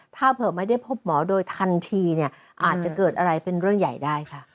ถ้าเผื่อไม่ได้พบหมอโดยทันทีเนี่ยอาจจะเกิดอะไรเป็นเรื่องใหญ่ได้ค่ะ